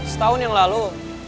setahun yang lalu